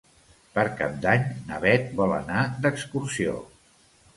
Per Cap d'Any na Beth vol anar d'excursió.